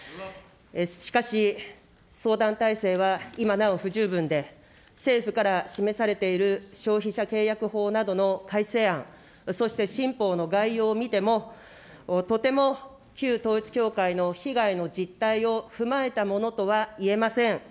しかし、相談体制は今なお不十分で、政府から示されている消費者契約法などの改正案、そして新法の概要を見ても、とても旧統一教会の被害の実態を踏まえたものとは言えません。